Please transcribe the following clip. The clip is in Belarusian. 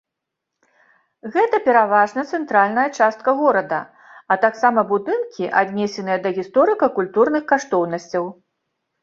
Гэта пераважна цэнтральная частка горада, а таксама будынкі, аднесеныя да гісторыка-культурных каштоўнасцяў.